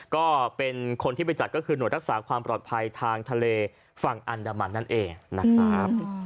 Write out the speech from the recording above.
ก็เป็นคนที่ไปจัดก็คือหน่วยรักษาความปลอดภัยทางทะเลฝั่งอันดามันนั่นเองนะครับ